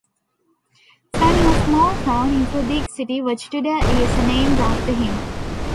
Turning a small town into a big city which today is named after him.